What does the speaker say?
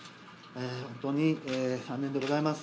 本当に残念でございます。